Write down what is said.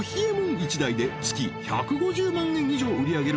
１台で月１５０万円以上売り上げる